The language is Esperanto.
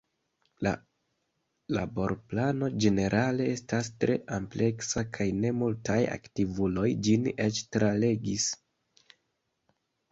La laborplano ĝenerale estas tre ampleksa, kaj ne multaj aktivuloj ĝin eĉ tralegis.